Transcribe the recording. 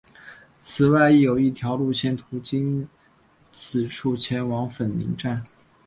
此外亦有一条路线途经此处前往粉岭站。